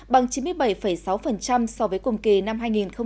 bằng chín mươi bảy sáu so với cùng kỳ năm hai nghìn một mươi tám